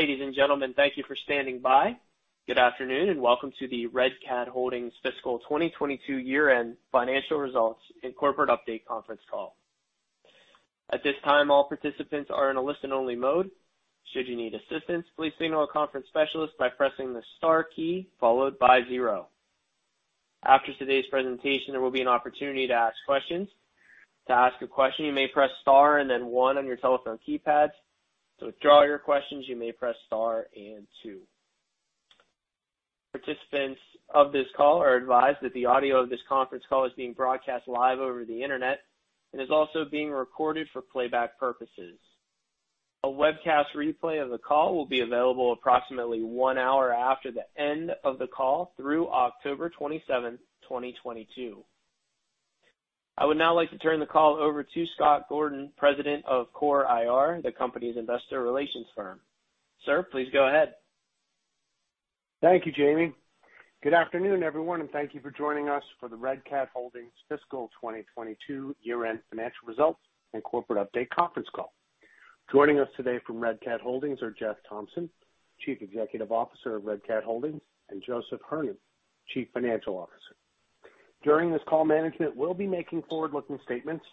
Ladies and gentlemen, thank you for standing by. Good afternoon, and welcome to the Red Cat Holdings Fiscal 2022 Year-End Financial Results and Corporate Update Conference Call. At this time, all participants are in a listen-only mode. Should you need assistance, please signal a conference specialist by pressing the star key followed by zero. After today's presentation, there will be an opportunity to ask questions. To ask a question, you may press star and then one on your telephone keypads. To withdraw your questions, you may press star and two. Participants of this call are advised that the audio of this conference call is being broadcast live over the Internet and is also being recorded for playback purposes. A webcast replay of the call will be available approximately one hour after the end of the call through October 27, 2022. I would now like to turn the call over to Scott Gordon, President of CORE IR, the company's investor relations firm. Sir, please go ahead. Thank you, Jamie. Good afternoon, everyone, and thank you for joining us for the Red Cat Holdings Fiscal 2022 year-end financial results and corporate update conference call. Joining us today from Red Cat Holdings are Jeff Thompson, Chief Executive Officer of Red Cat Holdings, and Joseph Hernon, Chief Financial Officer. During this call, management will be making forward-looking statements,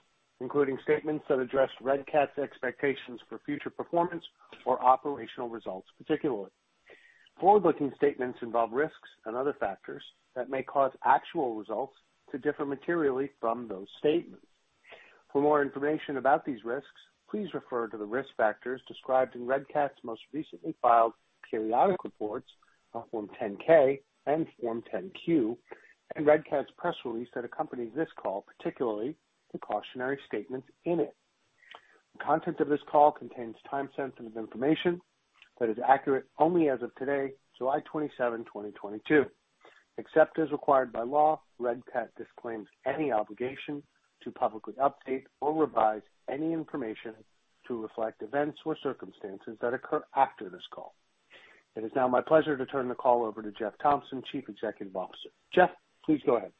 including statements that address Red Cat's expectations for future performance or operational results, particularly. Forward-looking statements involve risks and other factors that may cause actual results to differ materially from those statements. For more information about these risks, please refer to the risk factors described in Red Cat's most recently filed periodic reports on Form 10-K and Form 10-Q, and Red Cat's press release that accompanies this call, particularly the cautionary statements in it. The content of this call contains time-sensitive information that is accurate only as of today, July 27, 2022. Except as required by law, Red Cat disclaims any obligation to publicly update or revise any information to reflect events or circumstances that occur after this call. It is now my pleasure to turn the call over to Jeff Thompson, Chief Executive Officer. Jeff, please go ahead.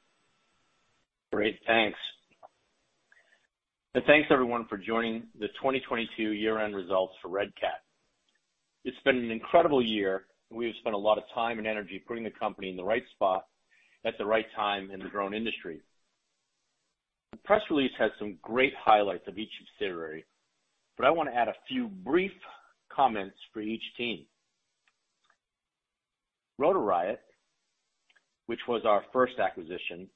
Great. Thanks. Thanks everyone for joining the 2022 year-end results for Red Cat. It's been an incredible year, and we have spent a lot of time and energy putting the company in the right spot at the right time in the drone industry. The press release has some great highlights of each subsidiary, but I wanna add a few brief comments for each team. Rotor Riot, which was our first acquisition,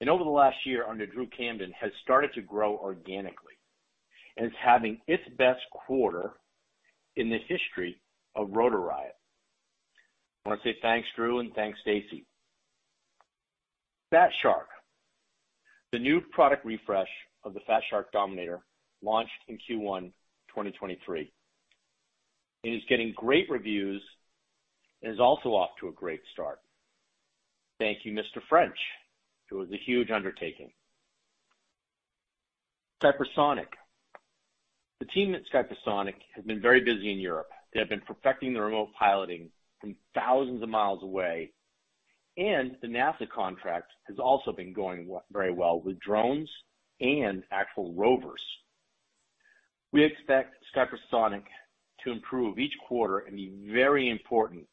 and over the last year under Drew Camden, has started to grow organically and is having its best quarter in the history of Rotor Riot. I wanna say thanks, Drew, and thanks, Stacy. Fat Shark. The new product refresh of the Fat Shark Dominator launched in Q1, 2023. It is getting great reviews and is also off to a great start. Thank you, Mr. French. It was a huge undertaking. Skypersonic. The team at Skypersonic has been very busy in Europe. They have been perfecting the remote piloting from thousands of miles away, and the NASA contract has also been going very well with drones and actual rovers. We expect Skypersonic to improve each quarter and be very important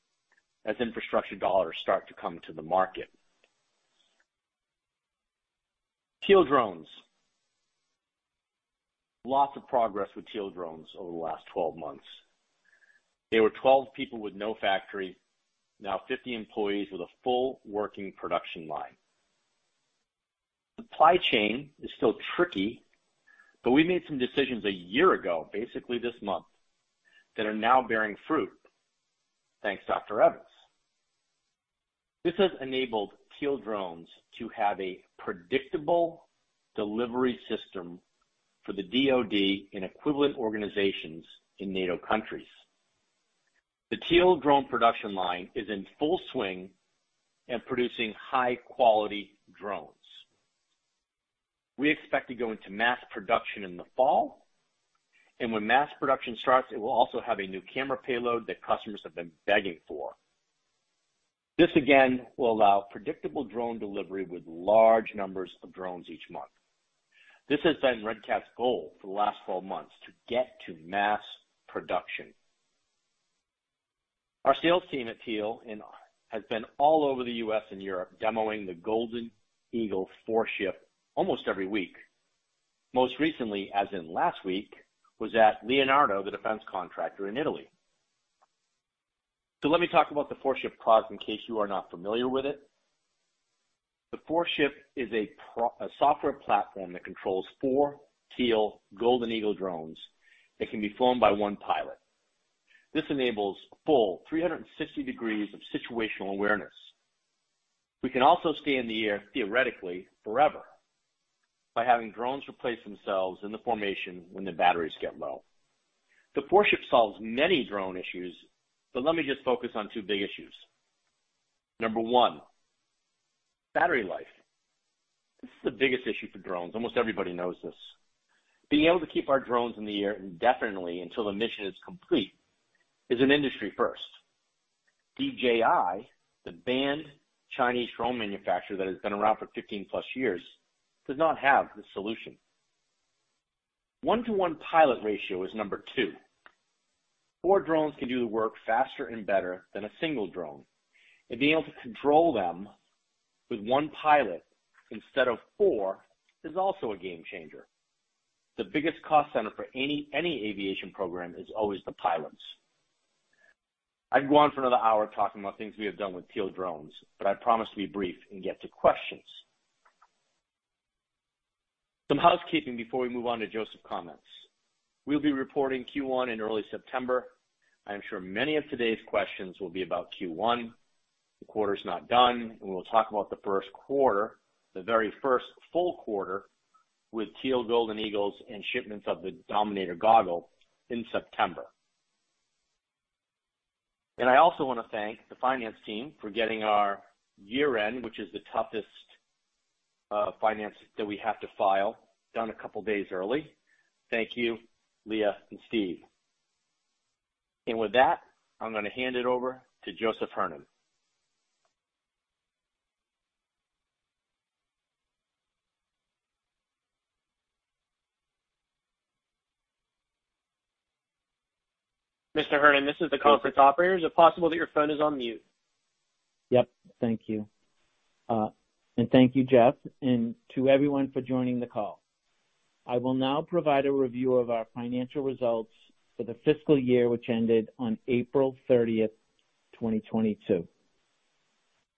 as infrastructure dollars start to come to the market. Teal Drones. Lots of progress with Teal Drones over the last 12 months. They were 12 people with no factory. Now 50 employees with a full working production line. Supply chain is still tricky, but we made some decisions a year ago, basically this month, that are now bearing fruit. Thanks, Dr. Evans. This has enabled Teal Drones to have a predictable delivery system for the DoD and equivalent organizations in NATO countries. The Teal Drones production line is in full swing and producing high-quality drones. We expect to go into mass production in the fall, and when mass production starts, it will also have a new camera payload that customers have been begging for. This, again, will allow predictable drone delivery with large numbers of drones each month. This has been Red Cat's goal for the last 12 months to get to mass production. Our sales team at Teal has been all over the U.S. and Europe demoing the Golden Eagle 4-Ship almost every week. Most recently, as in last week, was at Leonardo, the defense contractor in Italy. Let me talk about the FourShip product in case you are not familiar with it. The 4-Ship is a software platform that controls four Teal Golden Eagle drones that can be flown by one pilot. This enables a full 360 degrees of situational awareness. We can also stay in the air, theoretically, forever by having drones replace themselves in the formation when the batteries get low. The 4-Ship solves many drone issues, but let me just focus on two big issues. Number one, battery life. This is the biggest issue for drones. Almost everybody knows this. Being able to keep our drones in the air indefinitely until the mission is complete is an industry first. DJI, the banned Chinese drone manufacturer that has been around for 15+ years, does not have the solution. 1-to-1 pilot ratio is number two. Four drones can do the work faster and better than a single drone, and being able to control them with one pilot instead of four is also a game changer. The biggest cost center for any aviation program is always the pilots. I can go on for another hour talking about things we have done with Teal Drones, but I promise to be brief and get to questions. Some housekeeping before we move on to Joseph comments. We'll be reporting Q1 in early September. I'm sure many of today's questions will be about Q1. The quarter's not done, and we'll talk about the first quarter, the very first full quarter with Teal Golden Eagles and shipments of the Dominator goggles in September. I also wanna thank the finance team for getting our year-end, which is the toughest, finance that we have to file, done a couple days early. Thank you, Leah and Steve. With that, I'm gonna hand it over to Joseph Hernon. Mr. Hernon, this is the conference operator. Is it possible that your phone is on mute? Yep. Thank you. Thank you, Jeff, and to everyone for joining the call. I will now provide a review of our financial results for the fiscal year, which ended on April 30, 2022.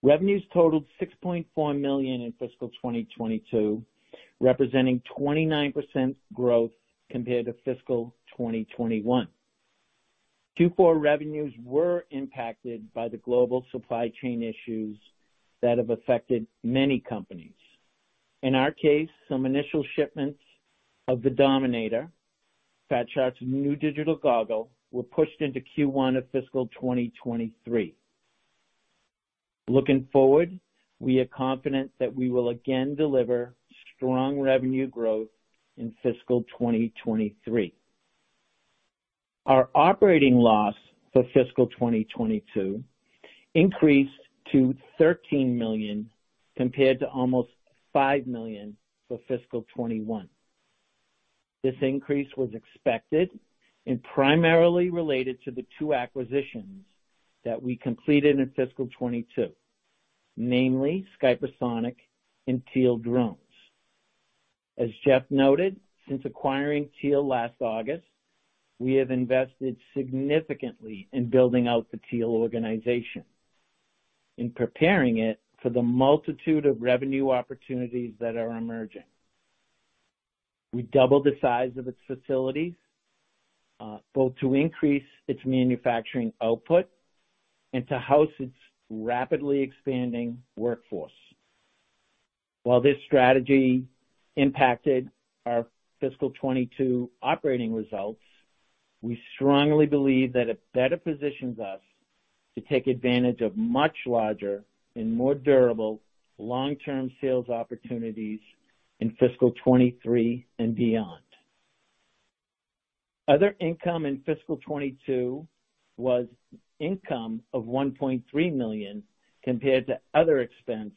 Revenues totaled $6.4 million in fiscal 2022, representing 29% growth compared to fiscal 2021. Q4 revenues were impacted by the global supply chain issues that have affected many companies. In our case, some initial shipments of the Dominator, Fat Shark's new digital goggles, were pushed into Q1 of fiscal 2023. Looking forward, we are confident that we will again deliver strong revenue growth in fiscal 2023. Our operating loss for fiscal 2022 increased to $13 million, compared to almost $5 million for fiscal 2021. This increase was expected and primarily related to the two acquisitions that we completed in fiscal 2022, namely Skypersonic and Teal Drones. As Jeff noted, since acquiring Teal last August, we have invested significantly in building out the Teal organization, in preparing it for the multitude of revenue opportunities that are emerging. We doubled the size of its facilities, both to increase its manufacturing output and to house its rapidly expanding workforce. While this strategy impacted our fiscal 2022 operating results, we strongly believe that it better positions us to take advantage of much larger and more durable long-term sales opportunities in fiscal 2023 and beyond. Other income in fiscal 2022 was income of $1.3 million compared to other expense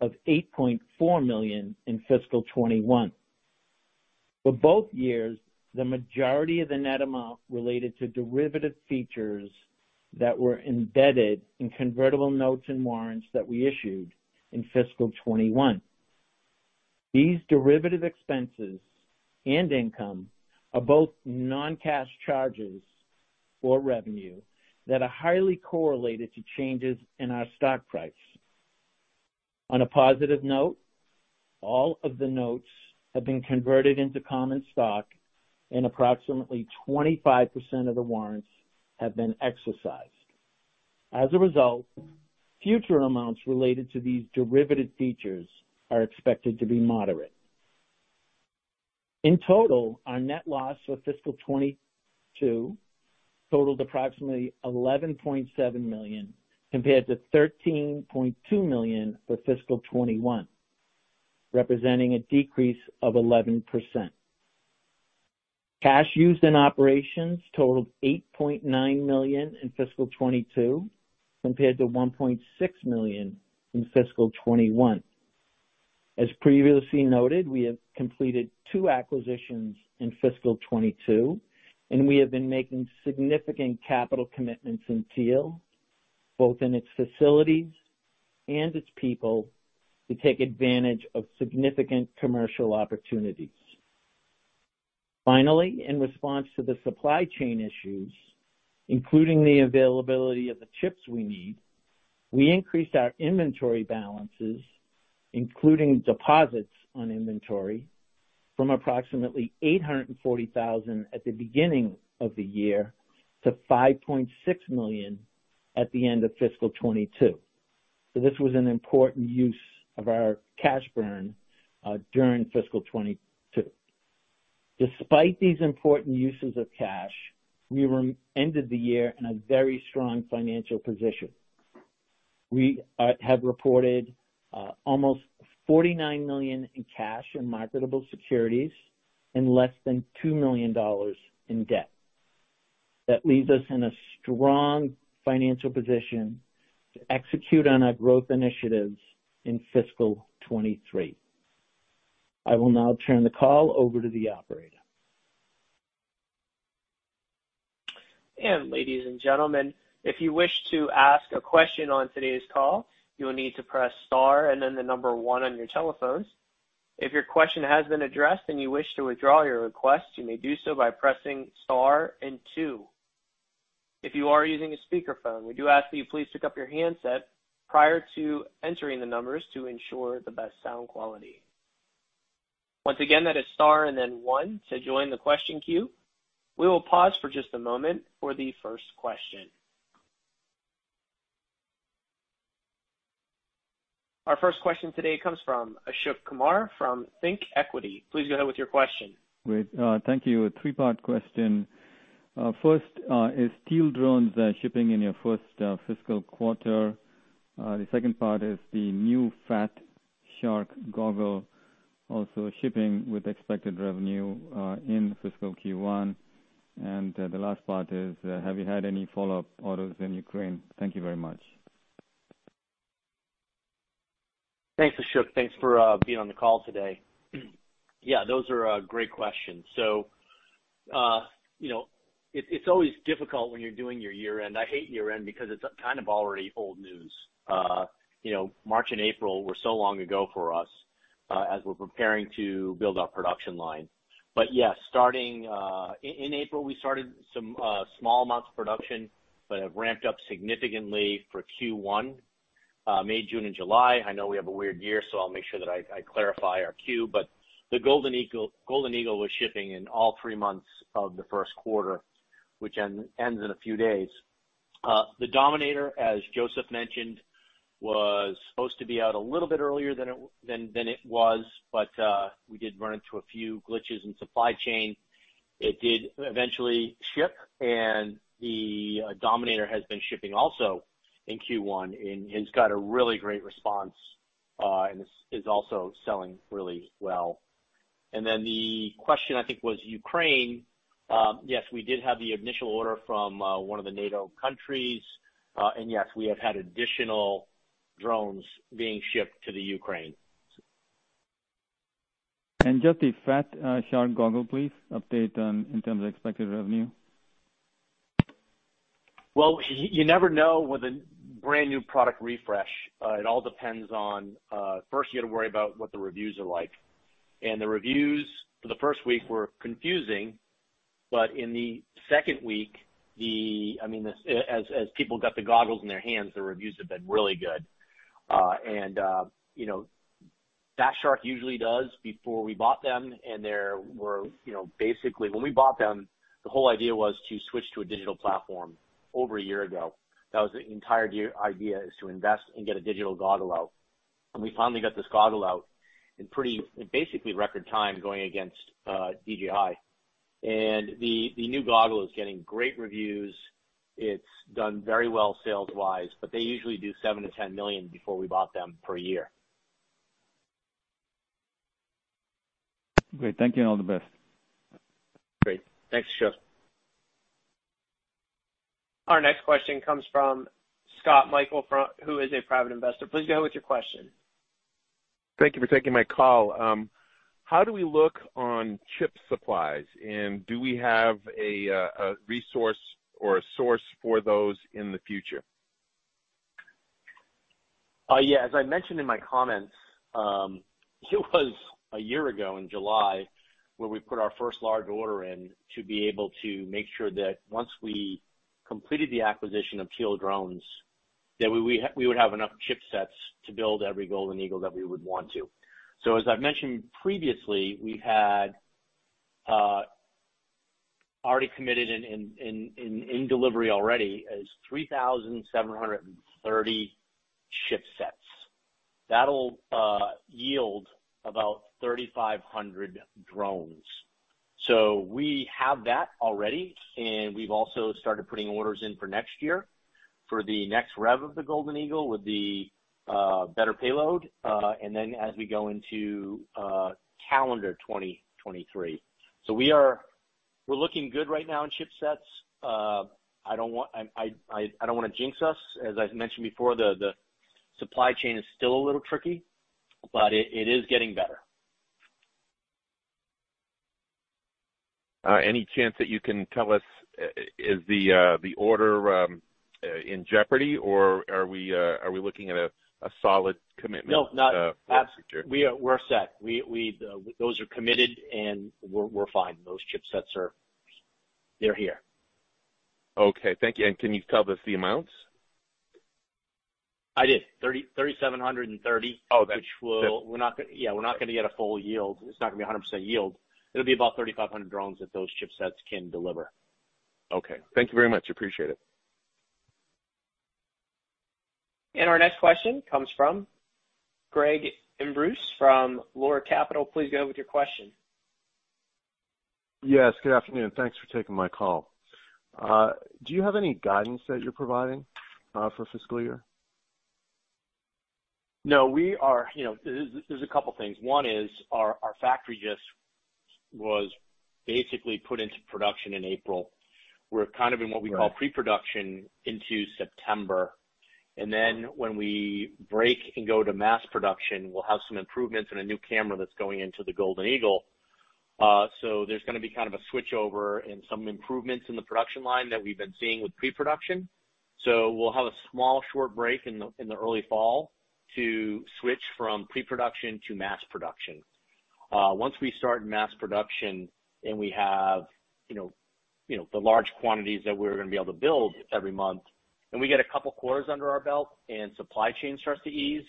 of $8.4 million in fiscal 2021. For both years, the majority of the net amount related to derivative features that were embedded in convertible notes and warrants that we issued in fiscal 2021. These derivative expenses and income are both non-cash charges or revenue that are highly correlated to changes in our stock price. On a positive note, all of the notes have been converted into common stock and approximately 25% of the warrants have been exercised. As a result, future amounts related to these derivative features are expected to be moderate. In total, our net loss for fiscal 2022 totaled approximately $11.7 million, compared to $13.2 million for fiscal 2021, representing a decrease of 11%. Cash used in operations totaled $8.9 million in fiscal 2022, compared to $1.6 million in fiscal 2021. As previously noted, we have completed two acquisitions in fiscal 2022, and we have been making significant capital commitments in Teal, both in its facilities and its people, to take advantage of significant commercial opportunities. Finally, in response to the supply chain issues, including the availability of the chips we need, we increased our inventory balances, including deposits on inventory from approximately $840,000 at the beginning of the year to $5.6 million at the end of fiscal 2022. This was an important use of our cash burn during fiscal 2022. Despite these important uses of cash, we ended the year in a very strong financial position. We have reported almost $49 million in cash and marketable securities and less than $2 million in debt. That leaves us in a strong financial position to execute on our growth initiatives in fiscal 2023. I will now turn the call over to the operator. Ladies and gentlemen, if you wish to ask a question on today's call, you will need to press star and then the number one on your telephones. If your question has been addressed and you wish to withdraw your request, you may do so by pressing star and two. If you are using a speaker phone, we do ask that you please pick up your handset prior to entering the numbers to ensure the best sound quality. Once again, that is star and then one to join the question queue. We will pause for just a moment for the first question. Our first question today comes from Ashok Kumar from ThinkEquity. Please go ahead with your question. Great. Thank you. A three-part question. First, is Teal Drones shipping in your first fiscal quarter? The second part is the new Fat Shark goggles also shipping with expected revenue in fiscal Q1. The last part is, have you had any follow-up orders in Ukraine? Thank you very much. Thanks, Ashok. Thanks for being on the call today. Yeah, those are great questions. You know, it's always difficult when you're doing your year-end. I hate year-end because it's kind of already old news. You know, March and April were so long ago for us as we're preparing to build our production line. Yeah, starting in April, we started some small amounts of production, but have ramped up significantly for Q1, May, June and July. I know we have a weird year, so I'll make sure that I clarify our Q. The Golden Eagle was shipping in all three months of the first quarter, which ends in a few days. The Dominator, as Joseph mentioned, was supposed to be out a little bit earlier than it was, but we did run into a few glitches in supply chain. It did eventually ship, and the Dominator has been shipping also in Q1 and it's got a really great response, and is also selling really well. Then the question I think was Ukraine. Yes, we did have the initial order from one of the NATO countries. And yes, we have had additional drones being shipped to the Ukraine. Just the Fat Shark goggles, please. Update on in terms of expected revenue. Well, you never know with a brand new product refresh. It all depends on first you got to worry about what the reviews are like. The reviews for the first week were confusing, but in the second week, I mean, as people got the goggles in their hands, the reviews have been really good. You know, Fat Shark usually does well before we bought them. You know, basically when we bought them, the whole idea was to switch to a digital platform over a year ago. That was the entire idea is to invest and get a digital goggles out. We finally got these goggles out in pretty much record time going against DJI. The new goggles is getting great reviews. It's done very well sales-wise, but they usually do $7 million-$10 million before we bought them per year. Great. Thank you. All the best. Great. Thanks, Ashok. Our next question comes from Scott Michael, who is a private investor. Please go with your question. Thank you for taking my call. How do we look on chip supplies? Do we have a resource or a source for those in the future? As I mentioned in my comments, it was a year ago in July, where we put our first large order in to be able to make sure that once we completed the acquisition of Teal Drones, that we would have enough chipsets to build every Golden Eagle that we would want to. As I've mentioned previously, we had already committed in delivery already is 3,700 chipsets. That'll yield about 3,500 drones. We have that already, and we've also started putting orders in for next year for the next rev of the Golden Eagle with the better payload, and then as we go into calendar 2023. We're looking good right now in chipsets. I don't wanna jinx us. As I've mentioned before, the supply chain is still a little tricky, but it is getting better. Any chance that you can tell us, is the order in jeopardy, or are we looking at a solid commitment? No. for next year? We're set. Those are committed and we're fine. Those chipsets are. They're here. Okay. Thank you. Can you tell us the amounts? I did. $3,730. Oh, okay. We're not g- Yeah. Yeah, we're not gonna get a full yield. It's not gonna be 100% yield. It'll be about 3,500 drones that those chipsets can deliver. Okay. Thank you very much. Appreciate it. Our next question comes from Greg Imbruce from Lore Capital. Please go with your question. Yes, good afternoon. Thanks for taking my call. Do you have any guidance that you're providing, for fiscal year? No. We are, you know, there's a couple things. One is our factory just was basically put into production in April. We're kind of in what we call pre-production into September. Then when we break and go to mass production, we'll have some improvements in a new camera that's going into the Golden Eagle. There's gonna be kind of a switchover and some improvements in the production line that we've been seeing with pre-production. We'll have a small short break in the early fall to switch from pre-production to mass production. Once we start mass production and we have, you know, the large quantities that we're gonna be able to build every month, and we get a couple quarters under our belt and supply chain starts to ease,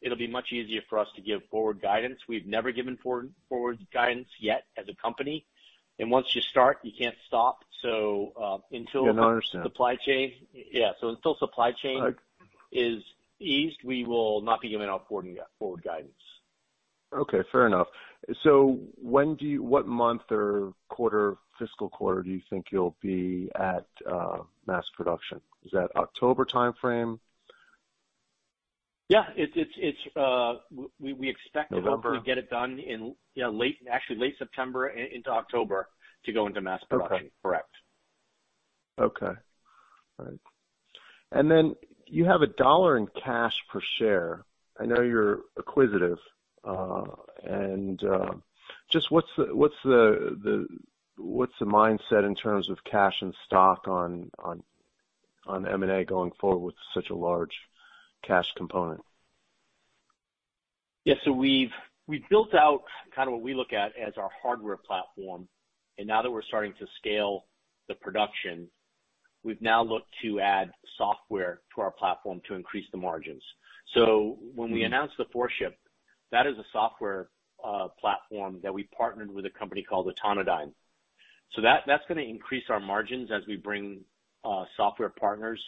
it'll be much easier for us to give forward guidance. We've never given forward guidance yet as a company. Once you start, you can't stop. Yeah, I understand. the supply chain. Yeah. Until supply chain is eased, we will not be giving out forward guidance. Okay. Fair enough. What month or quarter, fiscal quarter do you think you'll be at mass production? Is that October timeframe? Yeah. We expect to November? Hopefully get it done in late, actually late September into October to go into mass production. Okay. Correct. Okay. All right. You have $1 in cash per share. I know you're acquisitive, and just what's the mindset in terms of cash and stock on M&A going forward with such a large cash component? Yeah. We've built out kind of what we look at as our hardware platform. Now that we're starting to scale the production, we've now looked to add software to our platform to increase the margins. When we announce the 4-Ship, that is a software platform that we partnered with a company called Autonodyne. That's gonna increase our margins as we bring software partners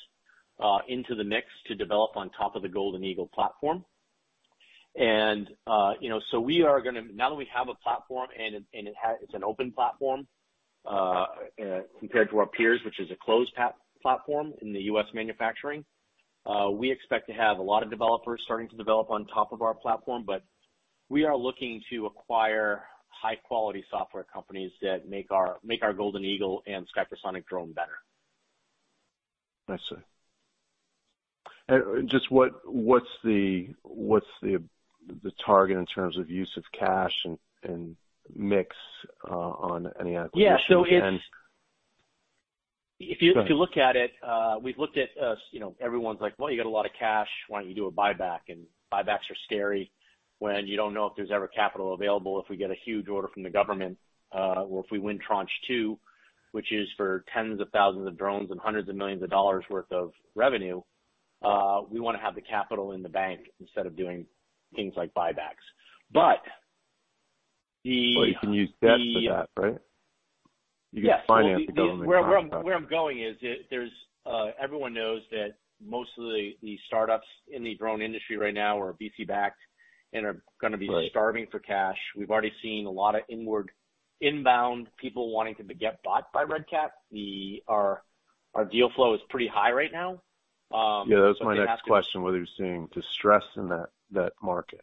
into the mix to develop on top of the Golden Eagle platform. Now that we have a platform and it has, it's an open platform compared to our peers, which is a closed platform in the U.S. manufacturing, we expect to have a lot of developers starting to develop on top of our platform. We are looking to acquire high quality software companies that make our Golden Eagle and Skypersonic drone better. I see. Just what's the target in terms of use of cash and mix on any acquisitions and- Yeah. It's if you- Go ahead. If you look at it, we've looked at, you know, everyone's like, "Well, you got a lot of cash. Why don't you do a buyback?" Buybacks are scary when you don't know if there's ever capital available, if we get a huge order from the government, or if we win Tranche 2, which is for tens of thousands of drones and hundreds of millions dollars worth of revenue. We wanna have the capital in the bank instead of doing things like buybacks. You can use debt for that, right? Yes. You can finance the government contract. Where I'm going is, there's everyone knows that most of the startups in the drone industry right now are VC-backed and are gonna be- Right starving for cash. We've already seen a lot of inbound people wanting to get bought by Red Cat. Our deal flow is pretty high right now. But they have to- Yeah, that was my next question, whether you're seeing distress in that market.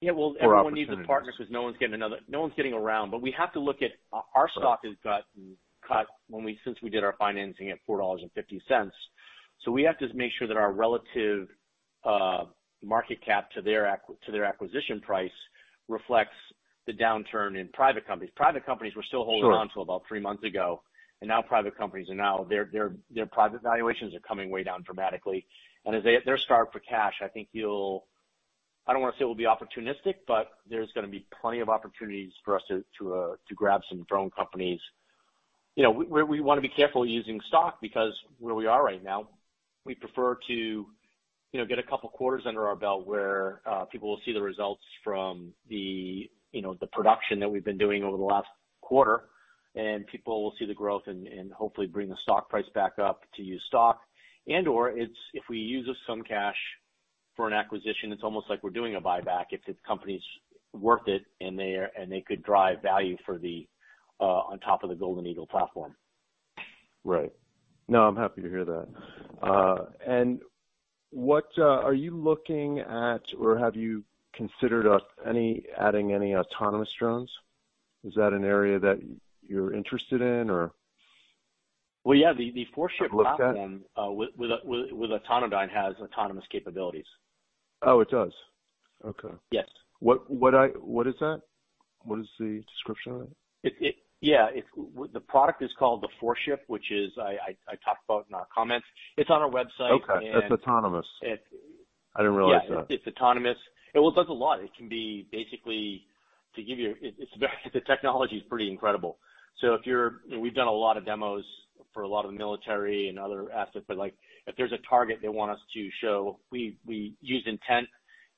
Yeah. Well, everyone needs. For opportunities. To partner because no one's getting around. We have to look at our stock has got cut since we did our financing at $4.50. We have to make sure that our relative market cap to their acquisition price reflects the downturn in private companies. Private companies were still holding on. Sure till about three months ago. Now private companies' private valuations are coming way down dramatically. As they're starved for cash, I think you'll. I don't wanna say we'll be opportunistic, but there's gonna be plenty of opportunities for us to grab some drone companies. You know, we wanna be careful using stock because where we are right now, we prefer to, you know, get a couple quarters under our belt where people will see the results from the, you know, the production that we've been doing over the last quarter, and people will see the growth and hopefully bring the stock price back up to use stock. It's if we use up some cash for an acquisition. It's almost like we're doing a buyback if the company's worth it and they could drive value for the on top of the Golden Eagle platform. Right. No, I'm happy to hear that. What are you looking at or have you considered adding any autonomous drones? Is that an area that you're interested in? Well, yeah, the 4-Ship platform. Have looked at? with Autonodyne has autonomous capabilities. Oh, it does? Okay. Yes. What is that? What is the description of it? The product is called the 4-Ship, which I talked about in our comments. It's on our website. Okay. It's autonomous. It- I didn't realize that. Yeah. It's autonomous. Well, it does a lot. The technology is pretty incredible. We've done a lot of demos for a lot of the military and other assets. Like, if there's a target they want us to show, we use intent,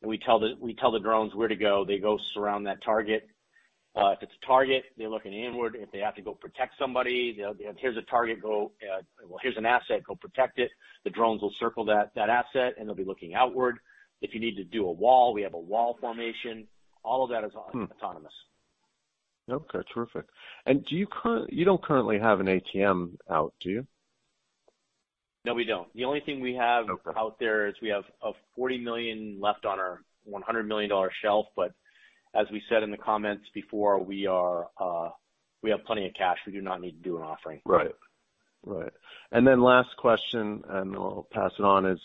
and we tell the drones where to go. They go surround that target. If it's a target, they're looking inward. If they have to go protect somebody, they'll, well, here's an asset, go protect it. The drones will circle that asset, and they'll be looking outward. If you need to do a wall, we have a wall formation. All of that is au- Autonomous. Okay. Terrific. You don't currently have an ATM out, do you? No, we don't. The only thing we have out there is we have $40 million left on our $100 million shelf. As we said in the comments before, we are, we have plenty of cash. We do not need to do an offering. Right. Last question, and I'll pass it on, is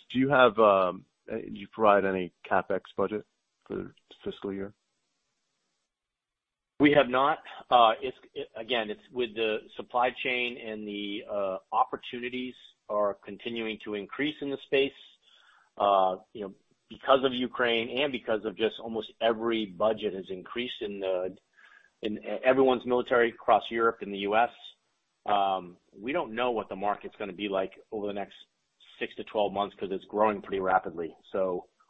do you provide any CapEx budget for the fiscal year? We have not. It's with the supply chain and the opportunities are continuing to increase in the space, you know, because of Ukraine and because of just almost every budget has increased in everyone's military across Europe and the U.S. We don't know what the market's gonna be like over the next six to 12 months because it's growing pretty rapidly.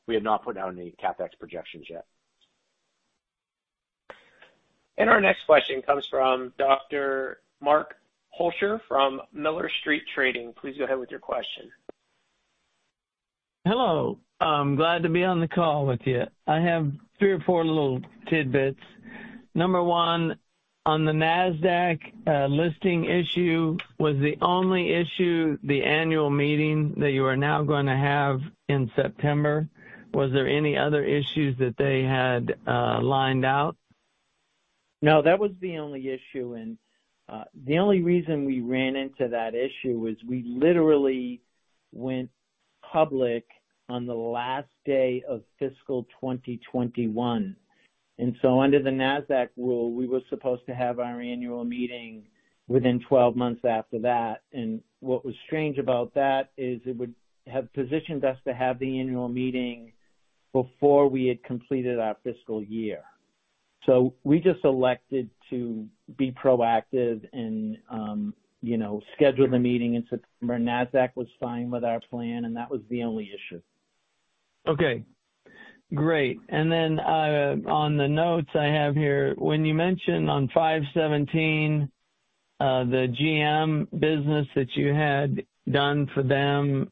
We have not put out any CapEx projections yet. Our next question comes from Dr. Mark Hulscher from Miller Street Trading. Please go ahead with your question. Hello. I'm glad to be on the call with you. I have three or four little tidbits. Number one, on the Nasdaq listing issue, was the only issue the annual meeting that you are now gonna have in September? Was there any other issues that they had lined out? No, that was the only issue. The only reason we ran into that issue was we literally went public on the last day of fiscal 2021. Under the Nasdaq rule, we were supposed to have our annual meeting within 12 months after that. What was strange about that is it would have positioned us to have the annual meeting before we had completed our fiscal year. We just elected to be proactive and, you know, schedule the meeting in September. Nasdaq was fine with our plan, and that was the only issue. Okay, great. On the notes I have here, when you mentioned on 5/17, the GM business that you had done for them,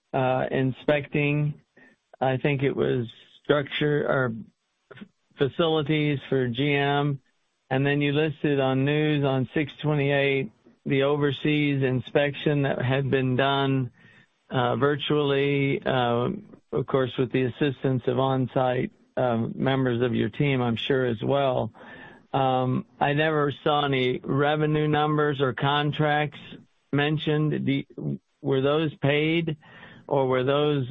inspecting, I think it was structure or facilities for GM. You listed on news on 6/28 the overseas inspection that had been done, virtually, of course, with the assistance of on-site members of your team, I'm sure, as well. I never saw any revenue numbers or contracts mentioned. Were those paid or were those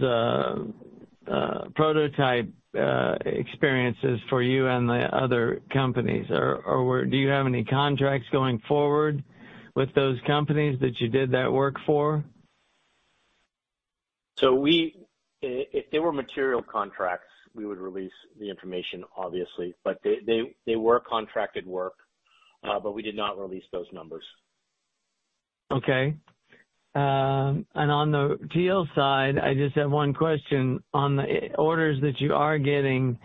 prototype experiences for you and the other companies? Do you have any contracts going forward with those companies that you did that work for? If they were material contracts, we would release the information, obviously, but they were contracted work, but we did not release those numbers. On the Teal side, I just have one question. On the orders that you are getting,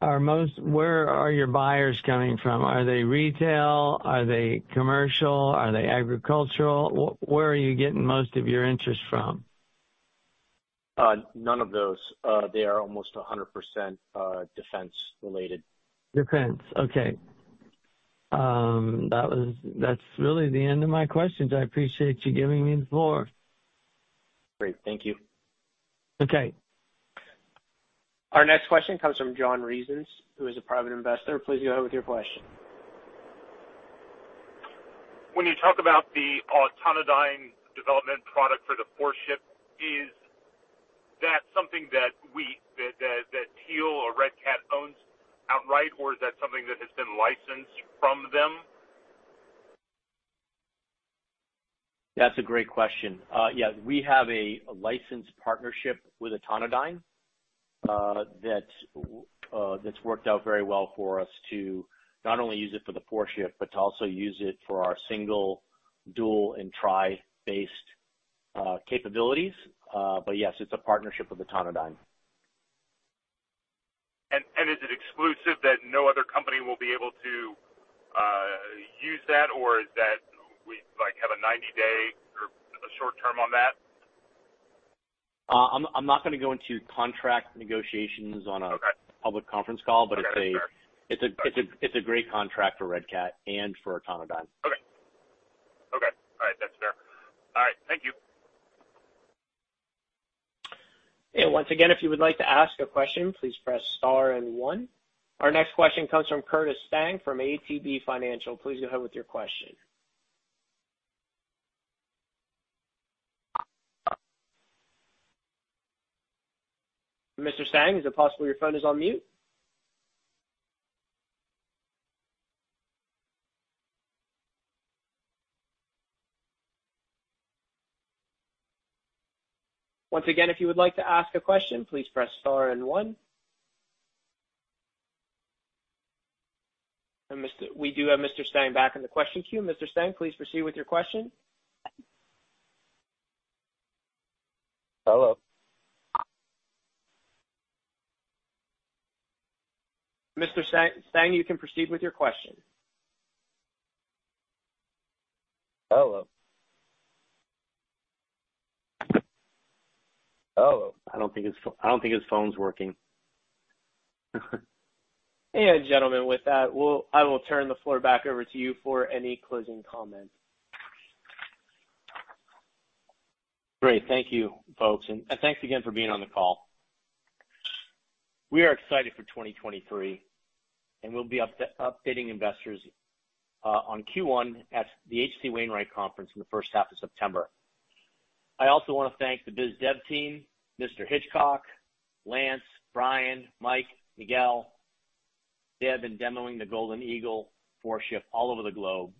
where are your buyers coming from? Are they retail? Are they commercial? Are they agricultural? Where are you getting most of your interest from? None of those. They are almost 100% defense-related. Defense. Okay. That's really the end of my questions. I appreciate you giving me the floor. Great. Thank you. Okay. Our next question comes from John Reasons, who is a private investor. Please go ahead with your question. When you talk about the Autonodyne development product for the 4-Ship, is that something that Teal or Red Cat owns outright, or is that something that has been licensed from them? That's a great question. We have a licensed partnership with Autonodyne that's worked out very well for us to not only use it for the 4-Ship, but to also use it for our single, dual, and tri-based capabilities. Yes, it's a partnership with Autonodyne. is it exclusive that no other company will be able to use that? Or is that we, like, have a 90-day or a short term on that? I'm not gonna go into contract negotiations on a. Okay. Public conference call. Okay. Fair. It's a great contract for Red Cat and for Autonodyne. Okay. All right. That's fair. All right. Thank you. Once again, if you would like to ask a question, please press star and one. Our next question comes from Curtis Stange from ATB Financial. Please go ahead with your question. Mr. Stange, is it possible your phone is on mute? Once again, if you would like to ask a question, please press star and one. We do have Mr. Stange back in the question queue. Mr. Stange, please proceed with your question. Hello? Mr. Stang, you can proceed with your question. Hello? Hello? I don't think his phone's working. Gentlemen, with that, I will turn the floor back over to you for any closing comments. Great. Thank you, folks. Thanks again for being on the call. We are excited for 2023, and we'll be updating investors on Q1 at the H.C. Wainwright Conference in the first half of September. I also wanna thank the biz dev team, Mr. Hitchcock, Lance, Brian, Mike, Miguel. They have been demoing the Golden Eagle 4-Ship all over the globe,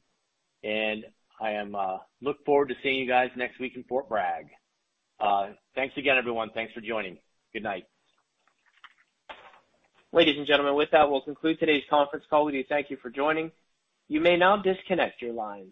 and I look forward to seeing you guys next week in Fort Bragg. Thanks again, everyone. Thanks for joining. Good night. Ladies and gentlemen, with that, we'll conclude today's conference call. We do thank you for joining. You may now disconnect your lines.